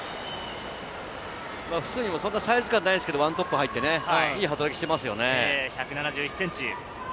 フスニはそんなにサイズ感ないけれど、１トップ入っていい働きをしていますよね。